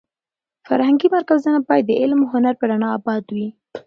فرهنګي مرکزونه باید د علم او هنر په رڼا اباد وي.